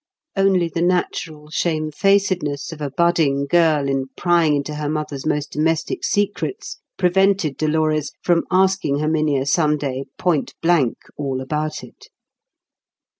Only the natural shamefacedness of a budding girl in prying into her mother's most domestic secrets prevented Dolores from asking Herminia some day point blank all about it.